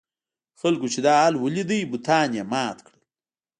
خلکو چې دا حال ولید بتان یې مات کړل.